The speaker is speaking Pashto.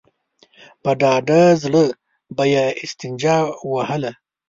په ډاډه زړه به يې استنجا وهله.